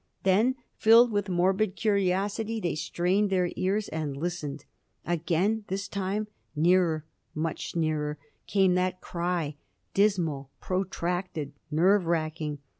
Then, filled with morbid curiosity, they strained their ears and listened. Again this time nearer, much nearer came that cry, dismal, protracted, nerve racking.